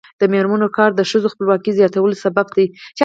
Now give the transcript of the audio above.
د میرمنو کار د ښځو خپلواکۍ زیاتولو سبب دی.